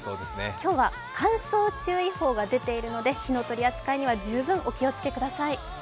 今日は乾燥注意報が出ているので、火の取り扱いには十分お気をつけください。